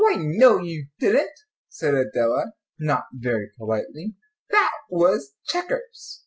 "Why, no, you didn't," said Adela, not very politely, "that was checkers."